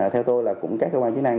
theo tôi là các cơ quan chế năng